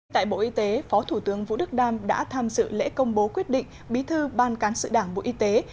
tại bộ y tế phó thủ tướng vũ đức đam đã tham dự lễ công bố quyết định bí thư ban cán sự đảng bộ y tế